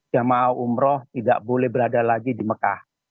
jamaah umroh tidak boleh berada lagi di mekah